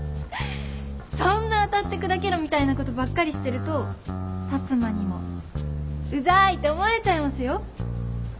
そんな当たって砕けろみたいなことばっかりしてると辰馬にもウザいって思われちゃいますよ。